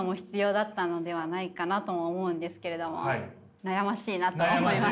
悩ましいなと思います。